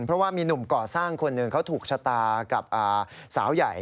เพราะว่ามีหนุ่มก่อสร้างคนหนึ่งเขาถูกชะตากับสาวใหญ่